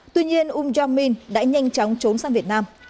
tuy nhiên um jong min đã nhanh chóng trốn sang việt nam